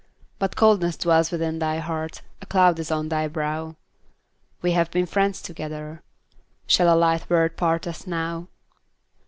But coldness dwells within thy heart, A cloud is on thy brow; We have been friends together, Shall a light word part us now?